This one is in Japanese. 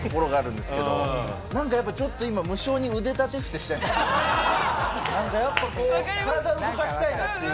なんかやっぱちょっと今なんかやっぱこう体動かしたいなっていう。